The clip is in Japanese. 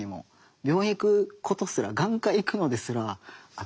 病院行くことすら眼科行くのですらあっ